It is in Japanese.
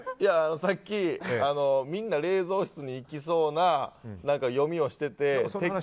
さっき、みんな冷蔵室にいきそうな読みをしてて。